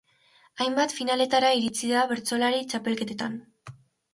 Hainbat finaletara iritsi da bertsolari txapelketetan.